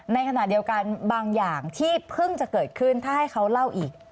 ในขณะเดียวกันบางอย่างที่เพิ่งจะเกิดขึ้นถ้าให้เขาเล่าอีก